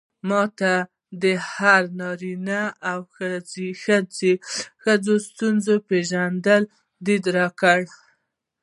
ما ته د هر نارينه او ښځې د ستونزو د پېژندو ليد راکړ.